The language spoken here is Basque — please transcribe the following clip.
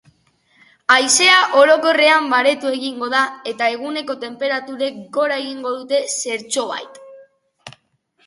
Haizea orokorrean baretu egingo da eta eguneko tenperaturek gora egingo dute zertxobait.